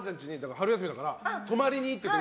春休みだから泊まりに行ってて。